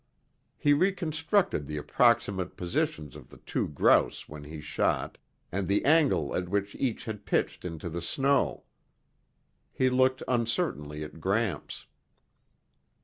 He reconstructed the approximate positions of the two grouse when he shot, and the angle at which each had pitched into the snow. He looked uncertainly at Gramps.